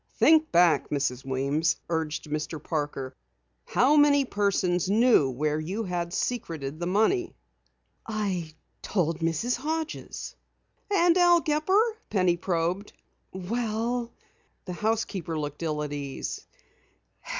"Think back, Mrs. Weems," urged Mr. Parker. "How many persons knew where you had secreted the money?" "I told Mrs. Hodges." "And Al Gepper?" Penny probed. "Well " The housekeeper looked ill at ease.